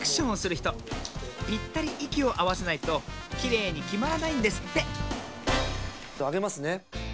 ひとぴったりいきをあわせないときれいにきまらないんですってあげますね。